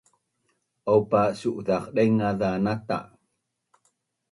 opa su’zaq dengaz za nata